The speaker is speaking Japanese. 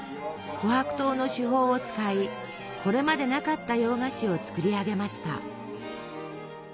琥珀糖の手法を使いこれまでなかった洋菓子を作り上げました。